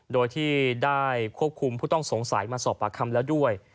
โดยที่ได้ควบคุมผู้ต้องสงสัยมาสอบปากคำแล้วด้วย